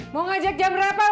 mau ngajak jam berapa